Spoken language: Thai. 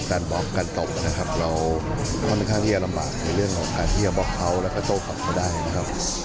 บล็อกการตบนะครับเราค่อนข้างที่จะลำบากในเรื่องของการที่จะบล็อกเขาแล้วก็โต้กลับเขาได้นะครับ